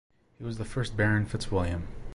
He was the first Baron FitzWilliam.